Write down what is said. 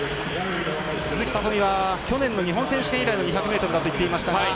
鈴木聡美は去年の日本選手権以来の２００ｍだといっていましたが。